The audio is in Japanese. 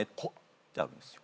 ってあるんですよ。